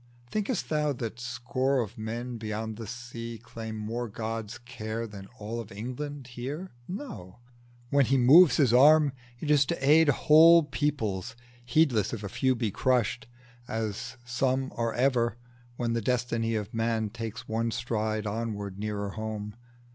Think'st thou that score of men beyond the sea Claim more God's care than all of England here? No: when he moves His arm, it is to aid Whole peoples, heedless if a few be crushed, As some are ever, when the destiny Of man takes one stride onward nearer home.